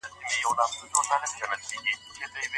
ښځه بايد کوم شرعي حدود رعايت کړي؟